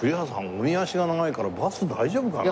おみ足が長いからバス大丈夫かな？